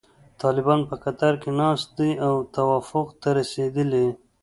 طالبان په قطر کې ناست دي او توافق ته رسیدلي.